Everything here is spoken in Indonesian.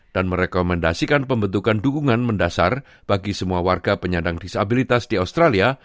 merekomendasikan pembentukan dukungan mendasar bagi semua warga penyandang disabilitas di australia